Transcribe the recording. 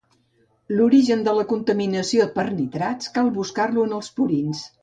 L'origen de la contaminació per nitrats cal buscar-lo en els purins.